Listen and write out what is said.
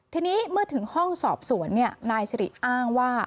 ทีนี้เมื่อถึงห้องสอบสวนนายสิริอ้างว่า